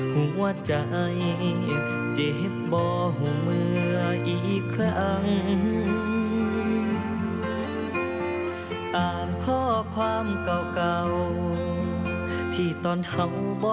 แต่ว่าเดี๋ยวเราจะไปเวียนเทนกันต่อนะครับ